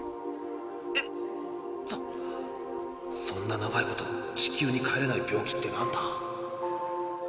そんな長いこと地球に帰れない病気ってなんだ？